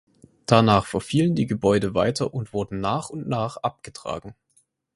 Danach verfielen die Gebäude weiter und wurden nach und nach abgetragen.